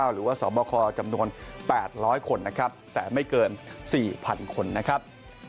หรือว่าสบคจำนวน๘๐๐คนนะครับแต่ไม่เกิน๔๐๐๐คนนะครับ